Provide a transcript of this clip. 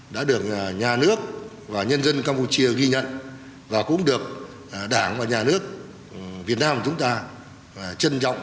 đã được nhà nước và nhân dân campuchia ghi nhận và cũng được đảng và nhà nước việt nam của chúng ta trân trọng